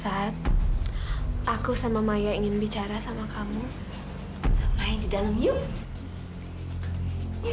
saat aku sama maya ingin bicara sama kamu maya di dalam yuk